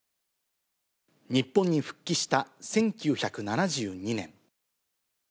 日本に復帰した１９７２年。